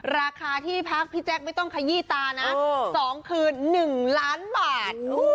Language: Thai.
ราคาที่พักพี่แจ๊คไม่ต้องขยี้ตานะ๒คืน๑ล้านบาท